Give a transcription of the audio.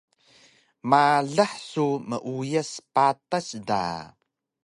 Malax su meuyas patas da!